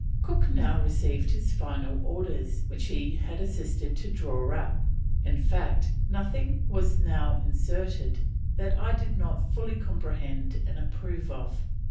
Cook now received his final orders, which he had assisted to draw up in fact, "nothing was inserted that I did not fully comprehend and approve of."